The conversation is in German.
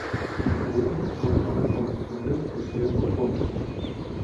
Geboten wurden auch Informationen zu Film und Rundfunk.